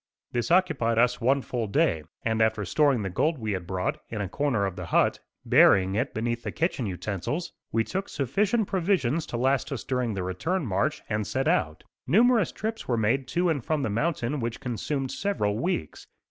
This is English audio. This occupied us one full day, and after storing the gold we had brought, in a corner of the hut, burying it beneath the kitchen utensils, we took sufficient provisions to last us during the return march and set out. Numerous trips were made to and from the mountain which consumed several weeks.